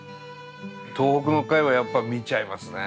東北の回はやっぱ見ちゃいますね。